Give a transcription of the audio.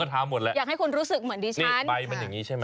ก่อนทานเราไปดมมันก่อน